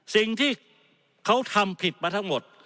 สิ่งที่เขาทำผิดมาทั้งหมด